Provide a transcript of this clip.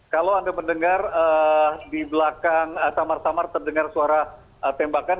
kalau anda mendengar di belakang samar samar terdengar suara tembakan